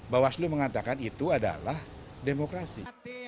bahwa aslo mengatakan itu adalah demokrasi